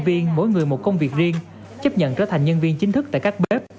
viên mỗi người một công việc riêng chấp nhận trở thành nhân viên chính thức tại các bếp